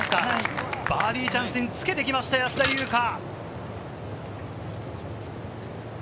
バーディーチャンスにつけてきました、安田祐香。